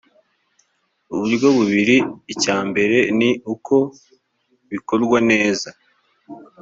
uburyo bubiri icya mbere ni uko bikorwa neza